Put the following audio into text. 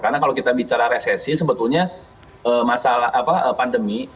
karena kalau kita bicara resesi sebetulnya masa pandemi